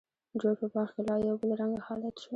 جوړ په باغ کې لا یو بل رنګه حالت شو.